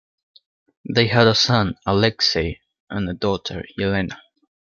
They had a son, Alexey, and a daughter, Yelena.